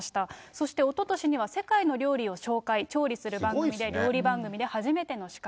そして、おととしには世界の料理を紹介、調理する番組で、料理番組で初めての司会。